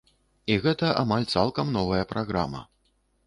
І гэта амаль цалкам новая праграма.